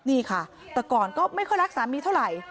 นี่ค่ะแต่ก่อนก็ไม่ค่อยรักสามีเท่าไหร่